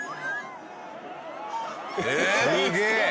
すげえ。